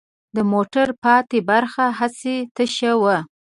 د موټر پاتې برخه هسې تشه وه.